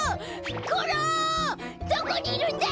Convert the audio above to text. どこにいるんだ！？